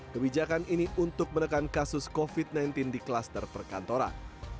kebijakan ini untuk menekan kasus covid sembilan belas di kluster perkantoran